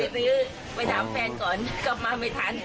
ไปถามแฟนก่อนกลับมาไม่ทัน